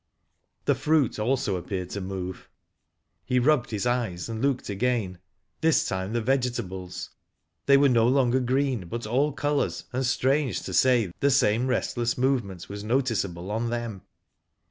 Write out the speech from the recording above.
The fruit also appeared to move. He rubbed his eyes and looked again, this time at the vegetables. They were no longer green, but all colours, and strange to say the same restless movement was noticeable on them.